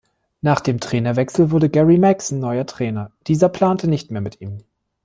Nach dem Trainerwechsel wurde Gary Megson neuer Trainer; dieser plante nicht mehr mit ihm.